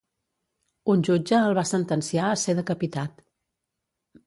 Un jutge el va sentenciar a ser decapitat.